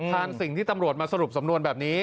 สิ่งที่ตำรวจมาสรุปสำนวนแบบนี้